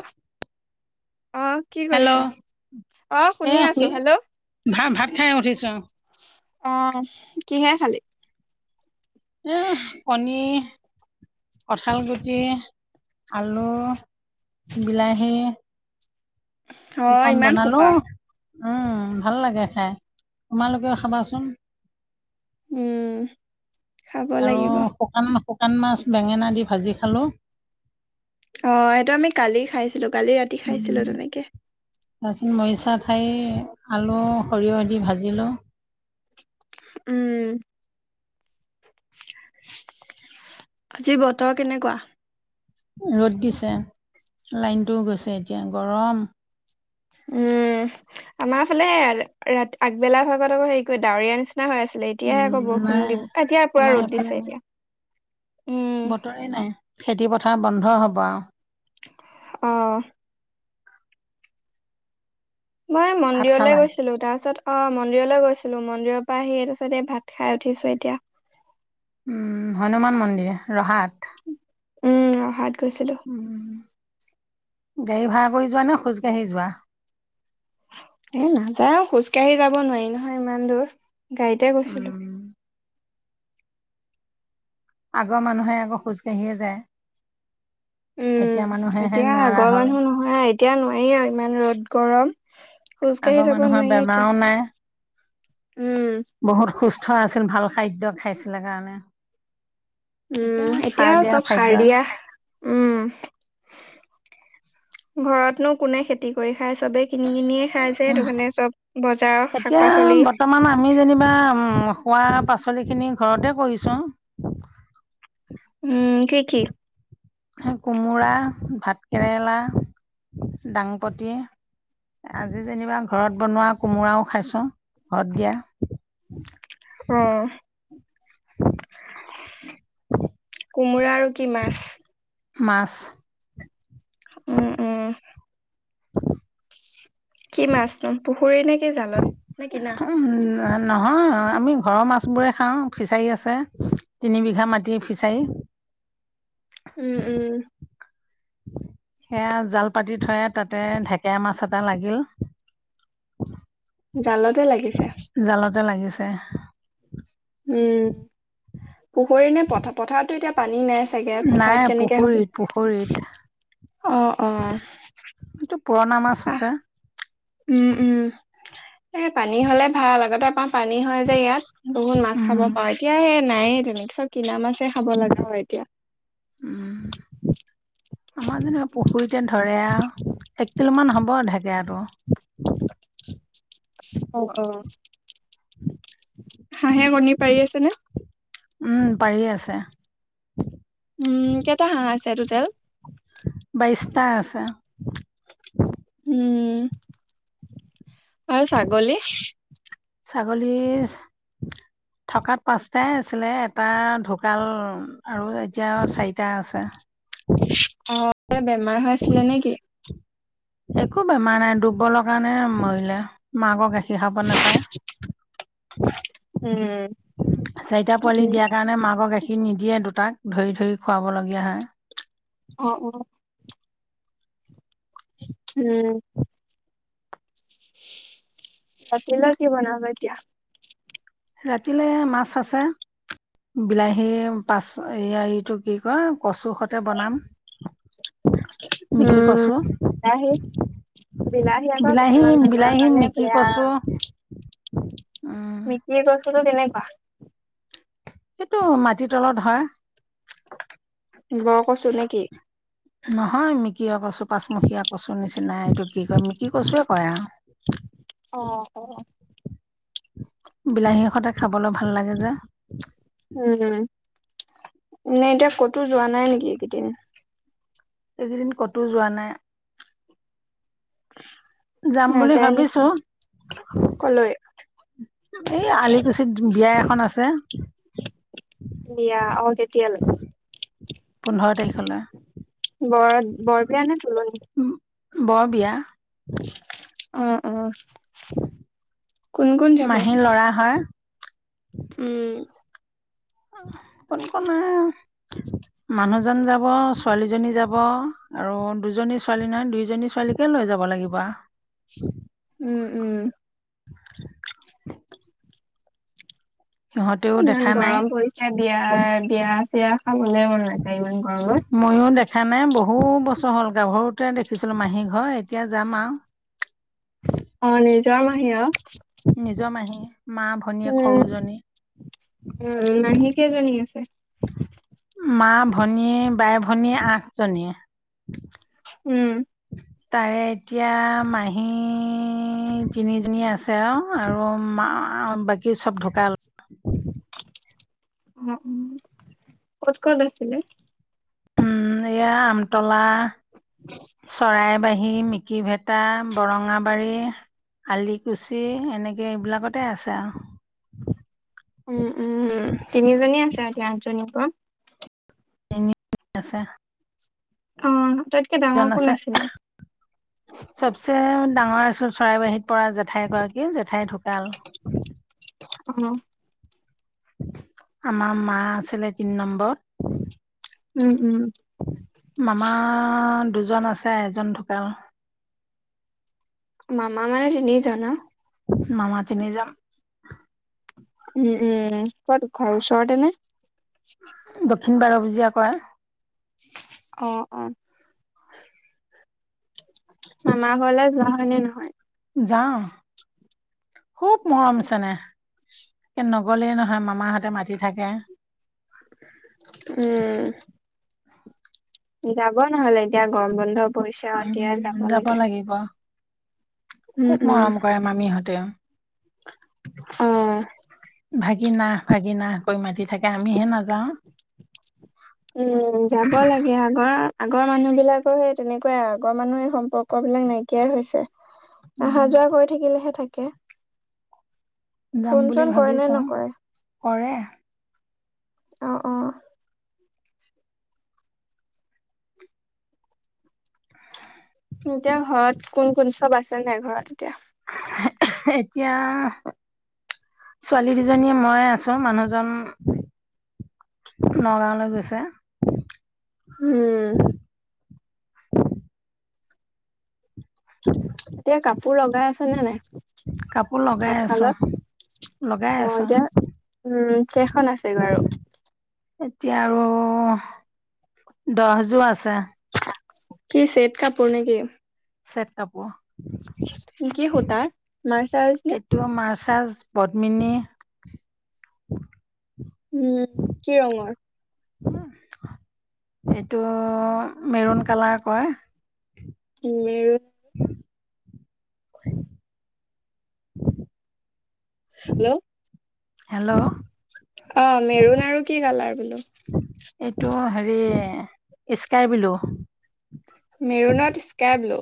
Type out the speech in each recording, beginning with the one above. অ'। কি হেল্ল' কৰিছা? অ', এ শুনি শুই আছোঁ হেল্ল' ভাত ভাত খাই উঠিছো অ', কিহে খালি? এহ, কণী, কঁঠাল গুটি, আলু বিলাহী অ চিকন ইমান সোপা বনালোঁ। উম ভাল লাগে খাই তোমালোকেও খাবাচোন। উম, খাব আৰু লাগিব। শুকান মা শুকান মাছ বেঙেনা দি ভাজি খালোঁ। অ', এইটো আমি কালি খাইছিলোঁ কালি ৰাতি খাইছিলোঁ তেনেকে। [unintelligible] মৰিছা ঠাৰী, আলু, সৰিয়হ দি ভাজিলো। উম আজি বতৰ কেনেকুৱা? এ, ৰ'দ দিছে। লাইনটোও গৈছে এতিয়া গৰম। উম, আমাৰ ফালে ৰা ৰাত আগবেলা ভাগত আকৌ হেৰি কৰি ডাৱৰীয়া নিচিনা হৈ আছে ছিলে এতিয়াহে উম আকৌ বৰষুণ নাই দিব এ, এতিয়া পুৰা আমাৰ ৰ'দ সেইফালে দিছে নাই এতিয়া। উম বতৰে নাই খেতি পথাৰ বন্ধ হ'ব আওঁ। অ'। মই ভাত মন্দিৰলে খালা গৈছিলোঁ। তাৰ পাছত অ', মন্দিৰলৈ গৈছিলোঁ মন্দিৰৰ পৰা আহি তাছতে ভাত খাই উঠিছো এতিয়া। উম হনুমান মন্দিৰ ৰহাত? উম ৰহাত গৈছিলোঁ। উম। গাড়ী ভা়ৰা কৰি যোৱা নে খোজ কাঢ়ি যোৱা? এ, নাযাওঁ খোজ কাঢ়ি যাব নোৱাৰি নহয় ইমান দূৰ গাড়ীতে গৈছিলোঁ। উম আগৰ মানুহে আকৌ খোজকাঢ়িয়ে যায়। এতিয়া উম। মানুহেহে এতিয়া নোৱাৰা আগৰ হ'ল মানুহ নহয় আৰু এতিয়া নোৱাৰি আৰু ইমান ৰ'দ গৰম। খোজ কাঢ়ি আগৰ যাব মানুহৰ নোৱাৰি এতিয়া, বেমাৰো নাই উম। বহুত সুস্থ আছিল ভাল খাদ্য খাইছিলে কাৰণে। এতিয়া উম, সাৰ এতিয়াও দিয়া চব খাদ্য সাৰ দিয়া উম, ঘৰতনো কোনে খেতি কৰি খায় চবেই কিনি কিনিয়ে খাই যে সেইটো কাৰণে চব বজাৰৰ শাক পাচলি মান আমি যেনিবা উম শোৱা পাচলিখিনি ঘৰতে কৰিছোঁ। উম কি কি? সেই কোমোৰা, ভাত কেৰেলা, দাংপতি আজি যেনিবা ঘৰত বনোৱা কোমোৰাও খাইছো ঘৰত দিয়া। অ'। কোমোৰা আৰু কি মাছ? মাছ। উম উম [inaudible] কি মাছ? [unintelligible] ফুৰি নে কি জালত নে কিনা? আ, নহয় আমি ঘৰৰ মাছবোৰে খাওঁ ফিচাৰী আছে তিনি বিঘা মাটিৰ ফিছাৰী। উম উম সেয়া জাল পাতি থয় তাতে ঢেকেৰা মাছ এটা লাগিল। [unintelligible] জালতে লাগিছে ডালতে লাগিছে উম পুখুৰী নে প পথাৰতো এতিয়া পানী নাই চাগে নাই পথাৰত কেনেকে হ'ব পুখুৰীত পুখুৰীত অ অ। এইটো পুৰণা মাছ আহ আছে। উম উম এ পানী হলে ভাল আগতে পাম। পানী হয় যে ইয়াত বহুত মাছ খাব উম পাৰওঁ এতিয়া নাই তম চব। কিনা মাছেই খাব লগা হয় এতিয়া উম আমাৰ যেনিবা পুখুৰীতে ধৰে আৰু এক কিলোমান হ'ব ঢেকেৰাটো। অ অ, হাঁহে কণী পাৰি আছে ন উম পাৰিয়ে আছে। উম কেইটা হাঁহ আছে টোটেল বাইছটা আছে উম আৰু ছাগলী ছাগলী [unintelligible] থকাত পাঁচটাই আছিলে এটা ঢুকাল আৰু এতিয়া চাৰিটা আছে অ এ বেমাৰ হৈ আছিলে নে কি একো বেমাৰ নাই ডুৰ্বলৰ কাৰণে মৰিলে মাকৰ গাখীৰ খাব নাপায় উম চাৰিটা পোৱালি উম দিয়াৰ কাৰণে মাকক এক কি নিদিয়ে দুটাক ধৰি ধৰি খুৱাবলগীয়া হয় অ অ উম, ৰাতিলৈ কি বনাবা এতিয়া ৰাতিলে মাছ আছে বিলাহীৰ পাছ এইটো কি কয় কচু সতে বনাম মিকি উম কছূ বিলাহী বিলাহী আকৌ বিলাহী কিছুমান বেমাৰৰ বিলাহী কাৰণে মিকি বেয়া কছো অ। মিকি কছোতো কেনেকুৱা সেইটো মাটিৰ তলত হয় ব কছো নেকি নহয় মিকিয় কছো পাঁচমখীয়া কচু নিচিনাই এইটো কি কয় মিকি কচোৱে কয় আৰু অ অ। বিলাহীৰ সতে খাবলৈ ভাল লাগে যে উম নে এতিয়া ক'তো যোৱা নাই নেকি এইকেইদিন এইকেইদিন কতো যোৱা নাই যাম বুলি নাযায় নেকি ভাবিছো কলৈ? এই আলিকুছিত বিয়া এখন আছে বিয়া অ কেতিয়ালৈ পোন্ধৰ তাৰিখলৈ বৰ বৰ বিয়া নে তুলনি উম বৰ বিয়া উম উম মাহীৰ লৰা হয়। উম। আহ, কোন কোন আহ মানুহজন যাব, ছোৱালীজনী যাব আৰু দুজনী ছোৱালী নহয় দুইজনী ছোৱালী কে লৈ যাব লাগিব আ উম উম। [unintelligible] সিহঁতেও ইমান দেখা নাই গৰম পৰিছে, বিয়া বিয়া চয়া খাবলে মন লাগে ইমান গৰমত। ময়ো দেখা নাই। বহু বছৰ হ'ল গাভৰুতে দেখিছিলোঁ মাহী ঘৰ এতিয়া যাম আও অঁ, নিজৰ মাহি আও। নিজৰ মাহী মা ভ উম উম মাহী কেইজনী আছে? মা ভনী, বাই-ভনী আঠজনীয়ে। উম। তাৰে এতিয়া মাহী তিনিজনী আছে। তেওঁ আৰু মা বাকী চব ঢুকাল। ও ওম, ক'ত ক'ত আছিলে? উম এয়া আমতলা, চৰাইবাহী, মিকি ভেত তা বৰঙাবাৰী, আলিকুছি এনেকে এইবিলাকতে আছে আও। উম উমম তিনিজনী আছে এতিয়া আঠজনীৰ পৰা? তিনিজনী আছে। অঁ, আটাইতকে জন ডাঙৰ আছে কোন আছিলে? চবচে ডাঙৰ আছিল চৰাইবাহীত পৰা জেঠাইগৰাকী, জেঠাই ঢুকাল। অঁ, আমাৰ মা আছিলে তিনি নম্বত। উম, উম। মামা দুজন আছে, এজন ঢুকাল। মামা মানে তিনি জন আও? মামা তিনি জন। উম উম, ক'ত ঘৰ ওচৰতে নে? দক্ষিণ বাৰভোজীয়া কয়। অঁ অঁ। মামাৰ ঘৰলে যোৱা হয় নে নহয়? যাওঁ। খুব মৰম চনেহ। নগ'লেই নহয় মামাহঁতে মাতি থাকে। উমম। যাব নহলে এতিয়া, গৰম বন্ধ পৰিছে আও এতিয়াই যাব লাগে। সেইপা, উম, খুব মৰম কৰে মামীহঁতেও। অঁ, ভাগিন আহ, ভাগিন আহ, কৈ মাতি থাকে আমিহে নাযাওঁ। উম যাব লাগে আক। আগৰ মানুহ বিলাকৰ সেই তেনেকুৱাই আ আগৰ মানুহ এই সম্পৰ্ক বিলাক নাইকিয়াই হৈছে। উম অহা-যোৱা কৰি থাকিলেহে থাকে। যাম বুলি ফোন-চোন কৰে নে ভাবিছো নকৰে? কৰে অঁ অঁ। এতিয়া ঘৰত কোন কোন, চব আছে নাই ঘৰত এতিয়া? [unintelligible] এতিয়া ছোৱালী দুজনীয়ে মই আছো মানুহজন নগাঁৱলৈ গৈছে। হুম। এতিয়া কাপোৰ লগাই আছে নে নাই? কাপোৰ লগাই আছো তাঁতশালত লগাই অহ আছো এতিয়া উম কেইখন আছে বাৰু? এতিয়া আৰু দহযোৰ আছে। কি চেদ কাপোৰ নেকি? চেট কাপোৰ। কি কি সূতাৰ মাৰ্চাৰজ নে? তোমাৰ মাৰ্চাজ, পদ্মিনী উম কি ৰঙৰ? এইটো মেৰুণ কালাৰ কয়। উম। হেল্ল'। হেল্ল'। অ মেৰুণ আৰু কি কালাৰ বোলো? এইটো হেৰি স্কাই ব্লু। মেৰুনত স্কাই ব্লু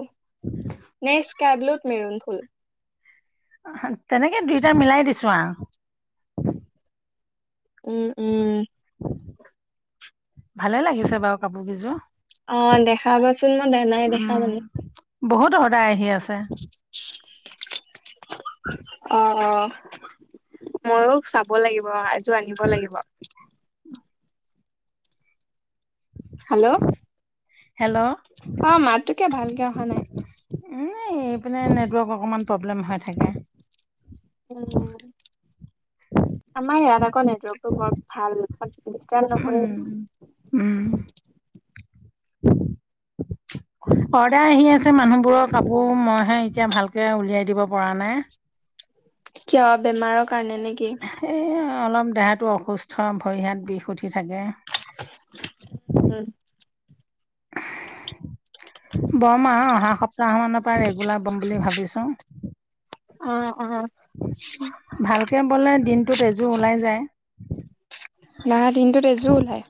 নে স্কাই ব্লুত মেৰুন ফুল। তেনেকে দুইটা মিলাই দিছো আও। উম উম। ভালে লাগিছে বাৰু কাপোৰ কেইযোৰ [inaudible] অ দেখাবাচোন মই নাই দেখা উম মানে। বহুত অৰ্ডাৰ আহি আছে। [inaudible] অ অ ময়ো চাব লাগিব এযোৰ আনিব লাগিব। হেল্ল'। হেল্ল'। অ মাতটো কে ভালকে অহা নাই। উম এইপিনে নেটৱৰ্ক অকণমান প্ৰব্লেম হৈ থাকে। উম আমাৰ ইয়াত আকৌ নেটৱৰ্কটো বৰ ভাল ডিৰ্চটাব নহয়ে। উম উম, [inaudible] অৰ্ডাৰ আহি আছে মানুহবোৰৰ কাপোৰ মইহে এতিয়া ভালকে উলিয়াই দিব পৰা নাই। কিয় বেমাৰৰ কাৰণে নে নেকি? সেই অলপ দেহাটো অসুস্থ ভৰি হাত বিষ উঠি থাকে। [inaudible] বম আও অহা সপ্তাহ মানৰ পৰা ৰেগুলাৰ বম বুলি ভাবিছো। অঁ অঁ। ভালকে ব'লে দিনটো এযোৰ ওলাই যায়। না দিনটোত এযোৰ ওলায়।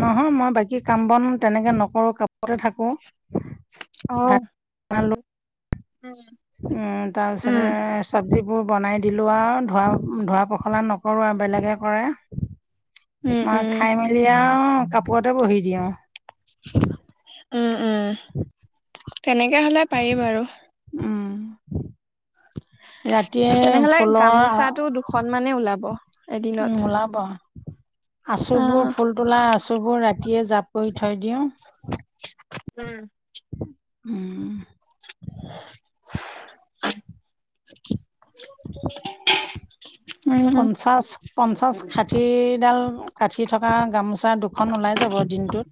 নহয় মই বাকী কাম বন তেনেকৈ নকৰো কাপোৰতে থাকোঁ। অঁ। ভাত বনালোঁ উম। উম তাৰ উম, পিছতে। চবজিবোৰ বনাই দিলোঁ আৰু ধোৱা ধোৱা পখলা নকৰোঁ আৰু বেলেগে কৰে উম, মই খাই মেলি আৰু কাপোৰতে বহি দিওঁ [inaudible] উ [inaudible] তেনেকে হ'লে পাৰি বাৰু উম ৰাতিয়ে ফুলৰ সন্মানে ওলাব এদিনত উ ওলাব আচুবোৰ অ'। ফুল তোলা আচুবোৰ ৰাতিয়ে জাপ কৰি থৈ দিওঁ উম উম উম, পঞ্চাশ পঞ্চাশ ষাঠিডাল কাঠি থকা গামোচা দুখন ওলাই যাব দিনটোত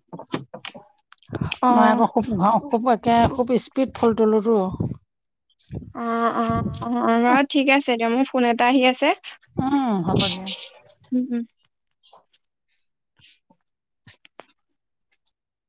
মই অ', আকৌ খুব ঘৰ খুব তাকে খুব স্পীড ফুল তোলোঁতো অ অ অ বাৰু ঠিক আছে দিয়ক মোৰ ফোন এটা আহি আছে উম হ'ব দিয়া। উম উম [unintelligible]